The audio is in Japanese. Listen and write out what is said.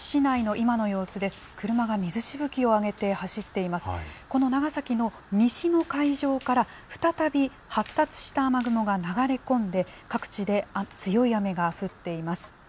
この長崎の西の海上から、再び発達した雨雲が流れ込んで、各地で強い雨が降っています。